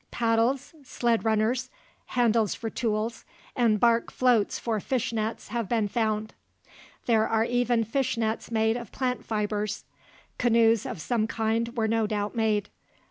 Paddles, sled runners, handles for tools, and bark floats for fish nets have been found. There are even fish nets made of plant fibers. Canoes of some kind were no doubt made.